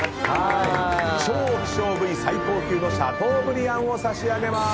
超希少部位最高級のシャトーブリアンを差し上げまーす！